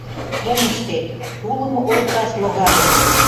Мом ыштет, тулым олташ логале.